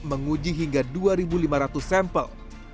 menguji hingga dua lima ratus sampel